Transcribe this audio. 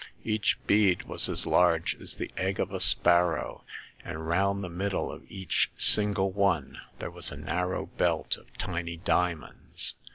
Each bead was as large as the egg of a sparrow, and round the middle of every single one there was a narrow belt of tiny diamonds.